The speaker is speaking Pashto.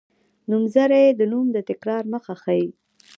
نومځری د نوم د تکرار مخه ښيي.